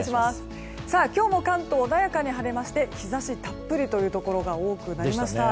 今日も関東穏やかに晴れまして日差したっぷりというところが多くなりました。